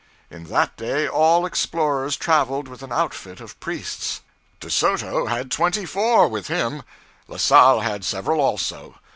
In that day, all explorers traveled with an outfit of priests. De Soto had twenty four with him. La Salle had several, also.